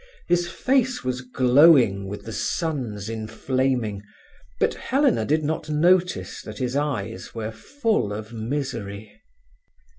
His face was glowing with the sun's inflaming, but Helena did not notice that his eyes were full of misery.